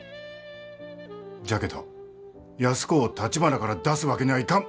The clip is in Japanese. じゃけど安子をたちばなから出すわけにゃあいかん。